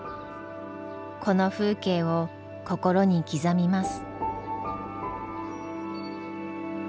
この風景を心に刻みます。